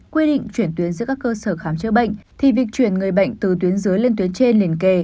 quy định chuyển tuyến giữa các cơ sở khám chữa bệnh thì việc chuyển người bệnh từ tuyến dưới lên tuyến trên liền kề